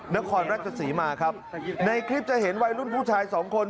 นครราชศรีมาครับในคลิปจะเห็นวัยรุ่นผู้ชายสองคน